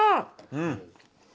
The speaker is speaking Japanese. うん！